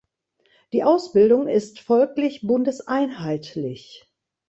Die Ausbildung ist folglich bundeseinheitlich.